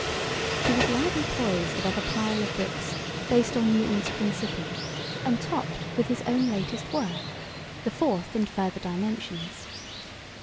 She was lightly poised above a pile of books based on Newton's "Principia," and topped with his own latest work, "The Fourth and Further Dimensions."